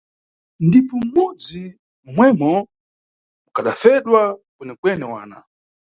Ndipo m`mudzi momwemo mukhafedwa kwene-kwene wana.